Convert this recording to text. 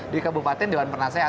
di kabupaten dewan pernasehat